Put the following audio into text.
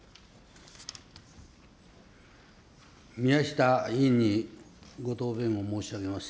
宮下委員にご答弁を申し上げます。